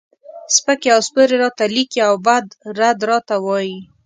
سپکې او سپورې راته لیکي او بد و رد راته وایي.